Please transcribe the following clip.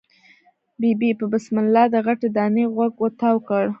ببۍ په بسم الله د غټې دانی غوږ تاو کړ.